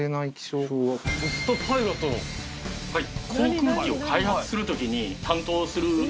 はい。